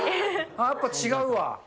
やっぱ違うわ。